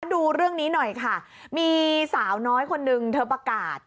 ดูเรื่องนี้หน่อยค่ะมีสาวน้อยคนนึงเธอประกาศ